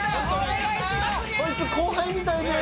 こいつ後輩みたいです！